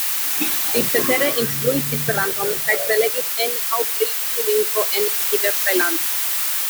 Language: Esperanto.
Li cetere instruis Esperanton kaj prelegis en aŭ pri tiu lingvo en diversaj landoj.